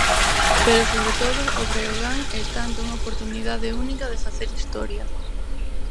Pero sobre todo, o Breogán está ante unha oportunidade única de facer historia.